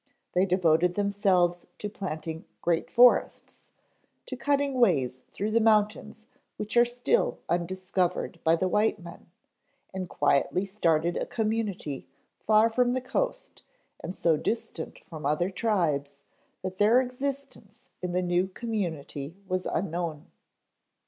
They devoted themselves to planting great forests, to cutting ways through the mountains which are still undiscovered by the white men, and quietly started a community far from the coast, and so distant from other tribes that their existence in the new community was unknown.